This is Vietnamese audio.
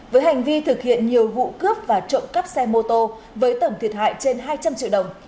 với hành vi thực hiện nhiều vụ cướp và trộm cắp xe mô tô với tổng thiệt hại trên hai trăm linh triệu đồng